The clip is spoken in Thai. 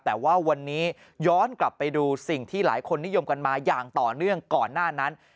แต่ว่าวันนี้ย้อนกลับไปดูสิ่งที่หลายคนนิยมกันมาอย่างต่อเนื่องก่อนหน้านั้น